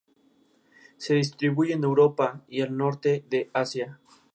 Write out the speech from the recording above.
Se distribuye en Europa y el norte de Asia.